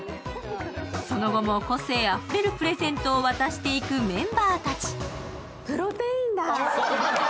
その後も個性あふれるプレゼントを渡していくメンバーたち。